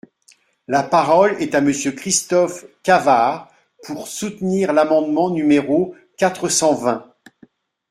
La parole est à Monsieur Christophe Cavard, pour soutenir l’amendement numéro quatre cent vingt.